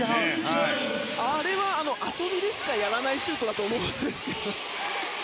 あれは遊びでしかやらないシュートだと思いますけど。